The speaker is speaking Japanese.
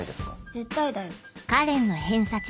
絶対だよ。